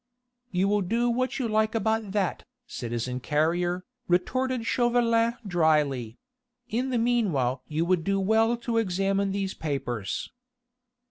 "You will do what you like about that, citizen Carrier," retorted Chauvelin drily; "in the meanwhile you would do well to examine these papers."